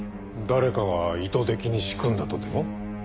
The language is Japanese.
誰かが意図的に仕組んだとでも？